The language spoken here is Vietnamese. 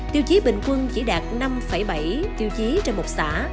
tiêu chí bình quân chỉ đạt năm bảy tiêu chí trên một xã